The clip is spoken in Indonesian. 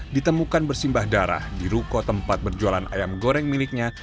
ditemukan bersimbah darah di ruko tempat berjualan ayam goreng miliknya